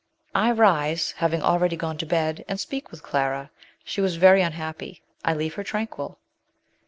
I rise (having already gone to bed) and speak with Clara. She was very un happy; I leave her tranquil."